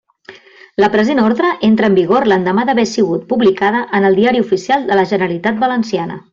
La present ordre entra en vigor l'endemà d'haver sigut publicada en el Diari Oficial de la Generalitat Valenciana.